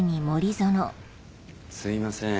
すいません。